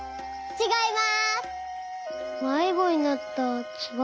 ちがいます。